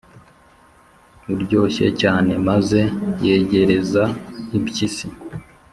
uryoshye cyane, maze yegereza impyisi